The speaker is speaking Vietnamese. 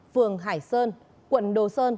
phường hải sơn quận đồ sơn